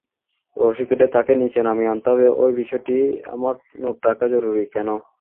রশি কেটে তাকে নিচে নামিয়ে আনতে হবে এই বিষয়টি আমার নোট রখা জরুরি -কেন?